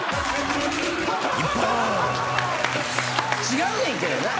違うねんけどな。